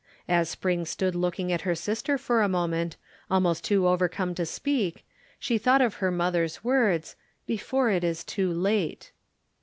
As Spring stood looking at her sister for a moment, almost too overcome to speak, she thought of her mother's words, "before it is too late."